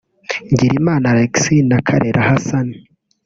Ngirimana Alexis na Karera Hassan